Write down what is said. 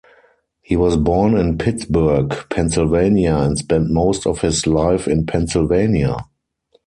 He was born in Pittsburgh, Pennsylvania and spent most of his life in Pennsylvania.